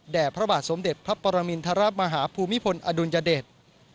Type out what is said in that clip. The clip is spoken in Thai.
พระบาทสมเด็จพระปรมินทรมาฮาภูมิพลอดุลยเดช